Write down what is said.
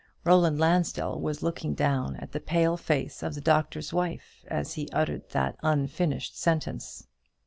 Roland Lansdell was looking down at the pale face of the Doctor's Wife as he uttered that unfinished sentence.